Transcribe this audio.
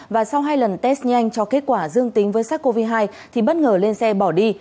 và sau hai lần test nhanh cho kết quả dương tính với sars cov hai thì bất ngờ lên xe bỏ đi